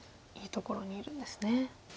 いいところにいるんですね。